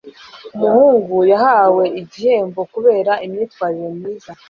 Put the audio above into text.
Umuhungu yahawe igihembo kubera imyitwarire myiza.